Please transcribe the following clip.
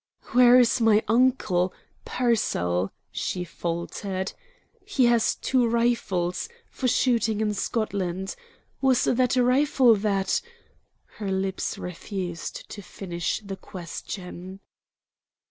"Where is my uncle, Pearsall?" she faltered. "He has two rifles for shooting in Scotland. Was that a rifle that " Her lips refused to finish the question.